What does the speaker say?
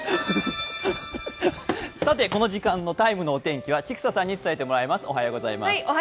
この時間の「ＴＩＭＥ」のお天気は千種さんに伝えてもらいます。